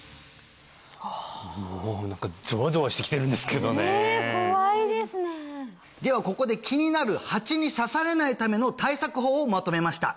もう何かゾワゾワしてきてるんですけどねねえ怖いですねではここで気になるハチに刺されないための対策法をまとめました